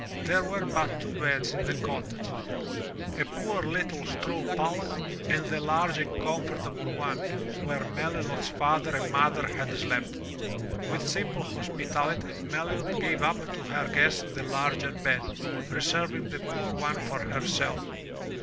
There were but two beds in the cottage, a poor little straw pallet and the large and comfortable one where Melilot's father and mother had slept. With simple hospitality Melilot gave up to her guests the larger bed, reserving the poor one for herself.